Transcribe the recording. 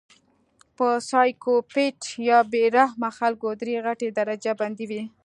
پۀ سايکو پېت يا بې رحمه خلکو درې غټې درجه بندۍ وي